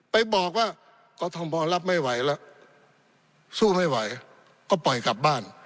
ไปบอกว่ากรทมรับไม่ไหวแล้วสู้ไม่ไหวก็ปล่อยกลับบ้าน